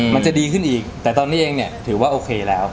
มันจะดีขึ้นอีกแต่ตอนนี้เองเนี่ยถือว่าโอเคแล้ว